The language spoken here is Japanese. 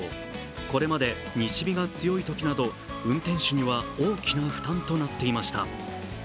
これまで西日が強いときなど運転手には大きな負担となっていました。